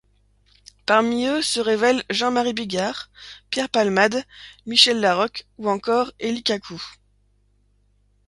Parmi eux se révèlent Jean-Marie Bigard, Pierre Palmade, Michèle Laroque ou encore Élie Kakou.